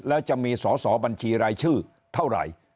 แล้วจะมีสอสอบัญชีรายชื่อเท่าไหร่